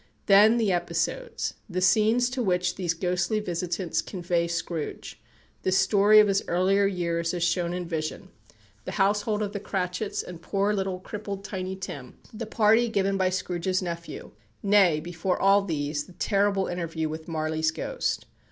Then the episodes: the scenes to which these ghostly visitants convey Scrooge; the story of his earlier years as shown in vision; the household of the Cratchits, and poor little crippled Tiny Tim; the party given by Scrooge's nephew; nay, before all these, the terrible interview with Marley's Ghost.